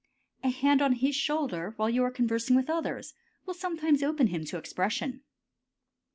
A hand on his shoulder while you are conversing with others, will sometimes open him to expression.